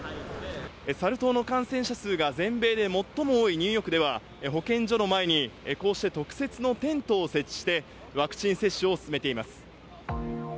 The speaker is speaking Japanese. サル痘の感染者数が全米で最も多いニューヨークでは、保健所の前に、こうして特設のテントを設置して、ワクチン接種を進めています。